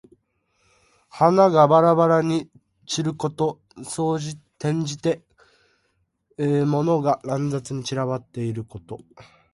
花がばらばらに散ること。転じて、物が乱雑に散らばっていること。